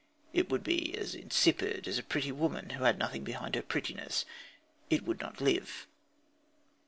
It would be as insipid as a pretty woman who had nothing behind her prettiness. It would not live.